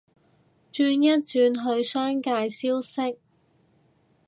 轉一轉去商界消息